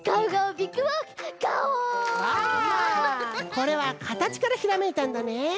これはかたちからひらめいたんだね。